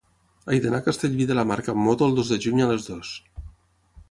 He d'anar a Castellví de la Marca amb moto el dos de juny a les dues.